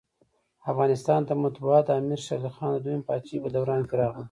افغانستان ته مطبعه دامیر شېرعلي خان د دوهمي پاچاهۍ په دوران کي راغله.